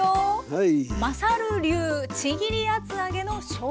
はい。